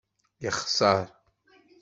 Yexṣeṛ.